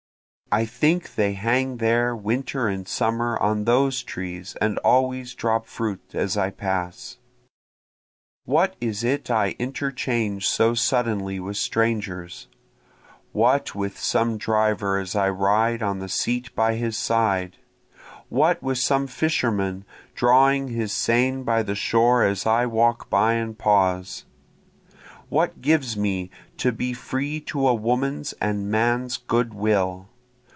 (I think they hang there winter and summer on those trees and always drop fruit as I pass;) What is it I interchange so suddenly with strangers? What with some driver as I ride on the seat by his side? What with some fisherman drawing his seine by the shore as I walk by and pause? What gives me to be free to a woman's and man's good will?